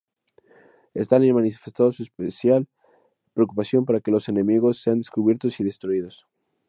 Stalin manifestó su especial preocupación para que los enemigos sean descubiertos y destruidos.